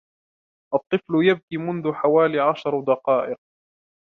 الطفل يبكي منذ حوالي عشر دقائق